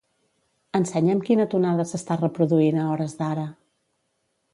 Ensenya'm quina tonada s'està reproduint a hores d'ara.